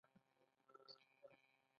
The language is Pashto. «د افغانستان اسلامي امارت» یادوي.